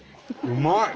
うまい！